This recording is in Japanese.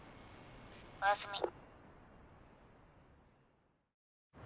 おやすみ。